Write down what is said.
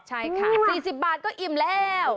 ใช่ค่ะ๔๐บาทก็อิ่มแล้ว